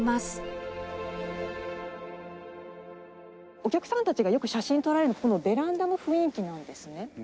お客様たちがよく写真を撮られるのこのベランダの雰囲気なんですね。